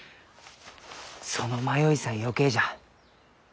その迷いさえ余計じゃ。